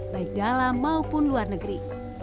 baik dalam maupun luar negeri